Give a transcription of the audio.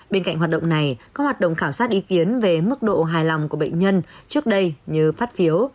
bên cạnh hoạt động này các hoạt động khảo sát ý kiến về mức độ hài lòng của bệnh nhân trước đây như phát phiếu